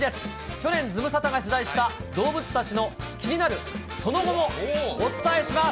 去年ズムサタが取材した動物たちの気になるその後もお伝えします。